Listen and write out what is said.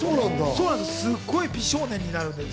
すごい美少年になるんですよ。